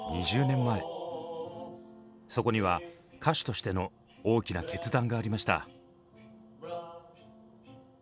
そこには歌手としての大きな決断がありました。